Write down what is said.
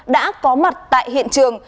đã có mặt tại hiện trường